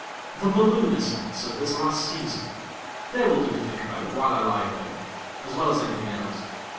The balloon ascents of this last season. They will do to think about, while I lie awake, as well as anything else.